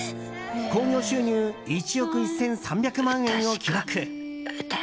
興行収入１億１３００万円を記録。